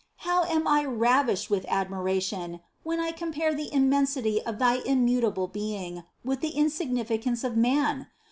how am I ravished with admiration, when I compare the im mensity of thy immutable Being with the insignificance of man